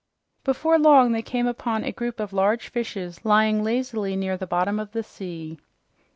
Before long they came upon a group of large fishes lying lazily near the bottom of the sea.